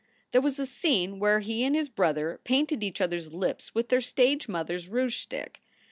There was a scene where he and his brother painted each other s lips with their stage mother s rouge stick.